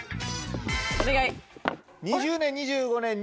お願い。